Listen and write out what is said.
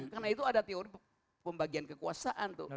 karena itu ada teori pembagian kekuasaan